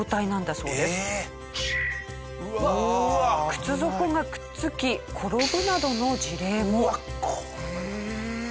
靴底がくっつき転ぶなどの事例も。